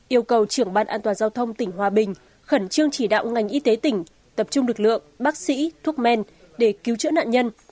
yêu cầu trưởng ban an toàn giao thông tỉnh hòa bình khẩn trương chỉ đạo ngành y tế tỉnh tập trung lực lượng bác sĩ thuốc men để cứu chữa nạn nhân